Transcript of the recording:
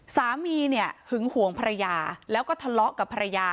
สามีเนี่ยหึงห่วงภรรยาแล้วก็ทะเลาะกับภรรยา